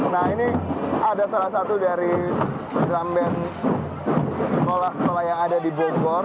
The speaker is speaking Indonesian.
nah ini ada salah satu dari jalan band kolak kolak yang ada di bogor